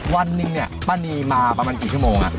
วันหนึ่งเนี่ยป้านีมาประมาณกี่ชั่วโมง